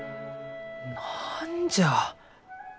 何じゃあ。